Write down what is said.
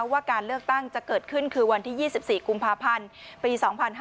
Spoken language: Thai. ว่าการเลือกตั้งจะเกิดขึ้นคือวันที่๒๔กุมภาพันธ์ปี๒๕๕๙